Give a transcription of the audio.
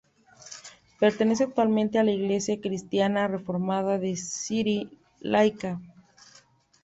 Pertenece actualmente a la Iglesia Cristiana Reformada de Sri Lanka.